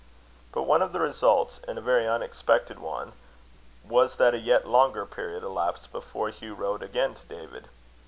But one of the results, and a very unexpected one, was, that a yet longer period elapsed before Hugh wrote again to David.